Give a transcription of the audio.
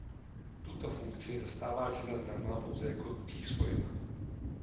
Tuto funkci zastává žena známá pouze jako "Číslo jedna".